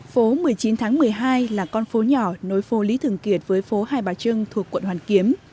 phố một mươi chín tháng một mươi hai là con phố nhỏ nối phố lý thường kiệt với phố hai bà trưng thuộc quận hoàn kiếm